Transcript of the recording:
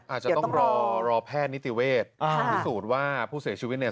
อาจจะต้องรอรอแพทย์นิติเวศพิสูจน์ว่าผู้เสียชีวิตเนี่ย